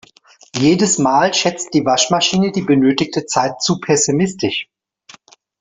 Jedes Mal schätzt die Waschmaschine die benötigte Zeit zu pessimistisch.